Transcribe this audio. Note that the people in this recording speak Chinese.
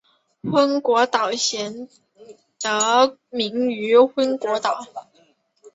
昏果岛县得名于昏果岛。